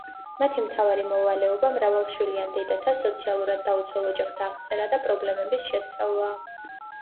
მათი მთავარი მოვალეობა მრავალშვილიან დედათა, სოციალურად დაუცველ ოჯახთა აღწერა და პრობლემების შესწავლაა.